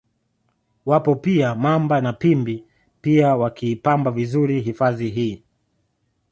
Wapo pia Mamba na Pimbi pia wakiipamba vizuri hifadhi hii